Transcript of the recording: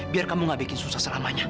biar kamu gak bikin susah selamanya